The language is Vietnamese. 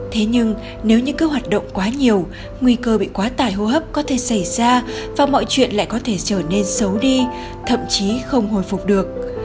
thế nhưng nếu như cứ hoạt động quá nhiều nguy cơ bị quá tải hô hấp có thể xảy ra và mọi chuyện lại có thể trở nên xấu đi thậm chí không hồi phục được